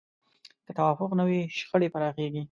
که توافق نه وي، شخړې پراخېږي.